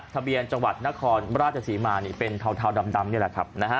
ทะเบียนจังหวัดนครราชศรีมานี่เป็นเทาดำนี่แหละครับ